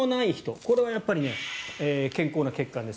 これはやっぱり健康な血管です。